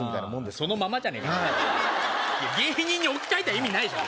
そのままじゃねえか芸人に置き換えた意味ないじゃん